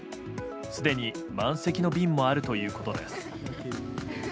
すでに満席の便もあるということです。